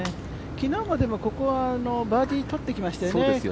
昨日までもここはバーディーとってきましたよね。